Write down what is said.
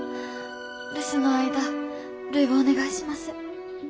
留守の間るいをお願いします。